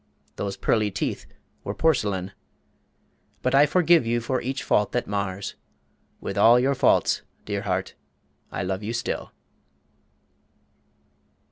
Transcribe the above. Those pearly teeth were porcelain. But I forgive you for each fault that mars. With all your faults, dear heart, I love you still.